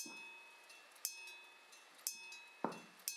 Mwaka wa elfu mbili na elfu mbili na tatu